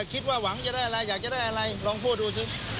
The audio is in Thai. คิดว่าหวังจะได้อะไรอยากจะได้อะไรลองพูดดูสิ